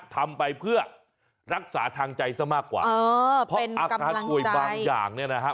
ทำไปเพื่อรักษาทางใจซะมากกว่าเออเป็นกำลังใจบางอย่างเนี่ยนะฮะ